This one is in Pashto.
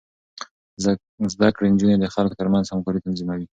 زده کړې نجونې د خلکو ترمنځ همکاري تنظيموي.